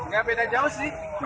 gak beda jauh ya